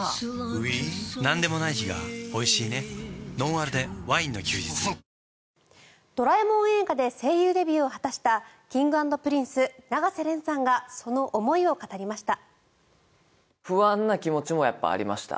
あふっ「ドラえもん」映画で声優デビューを果たしたＫｉｎｇ＆Ｐｒｉｎｃｅ永瀬廉さんがその思いを語りました。